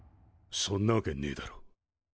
そんなわけねえだろ。